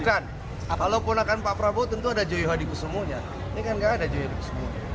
bukan kalau ponakan pak prabowo tentu ada joyo hadikusumunya ini kan gak ada joyo hadikusumunya